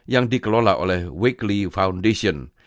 yang dikelola oleh wakely foundation